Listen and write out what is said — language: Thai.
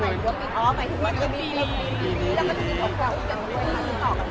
พี่เอ็มเค้าเป็นระบองโรงงานหรือเปลี่ยนไงครับพี่เอ็มเค้าเป็นระบองโรงงานหรือเปลี่ยนไงครับ